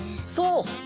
そう！